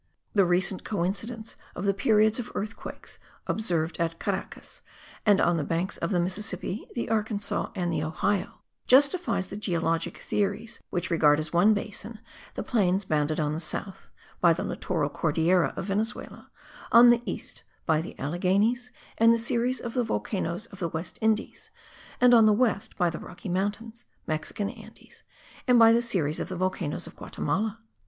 The recent coincidence of the periods of earthquakes observed at Caracas and on the banks of the Mississippi, the Arkansas and the Ohio, justifies the geologic theories which regard as one basin the plains bounded on the south, by the littoral Cordillera of Venezuela; on the east, by the Alleghenies and the series of the volcanoes of the West Indies; and on the west, by the Rocky Mountains (Mexican Andes) and by the series of the volcanoes of Guatimala.